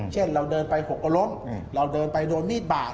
เช่นเราเดินไปหกก็ล้มเราเดินไปโดนมีดบาด